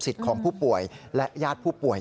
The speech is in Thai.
สิทธิ์ของผู้ป่วยและยาดผู้ป่วย